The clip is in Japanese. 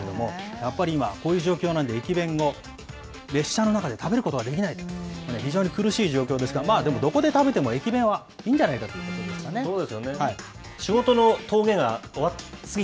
やっぱり今、こういう状況なんで、駅弁を列車の中で食べることができない、非常に苦しい状況ですが、まあでも、どこで食べても駅弁はいいんじゃないかということです